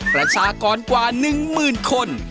ประชากรกว่า๑หมื่นคน